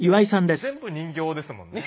全部人形ですもんね。